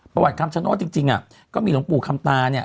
ประวัติคำชโน้ดจริงก็มีหลวงปู่คำตาเนี่ย